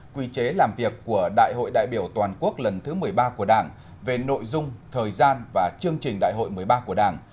quy chế làm việc của đại hội đại biểu toàn quốc lần thứ một mươi ba của đảng về nội dung thời gian và chương trình đại hội một mươi ba của đảng